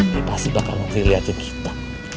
dia pasti bakal nanti liatin kita